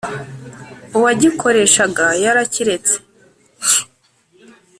uwagikoreshaga yarakiretse.